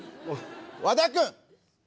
和田君！